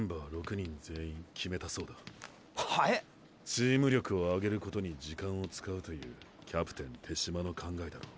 チーム力を上げることに時間を使うというキャプテン手嶋の考えだろう。